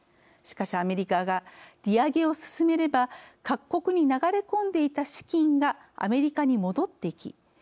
しかしアメリカが利上げを進めれば各国に流れ込んでいた資金がアメリカに戻っていき